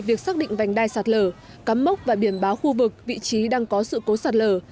việc xác định vành đai sạt lở cắm mốc và biển báo khu vực vị trí đang có sự cố sạt lở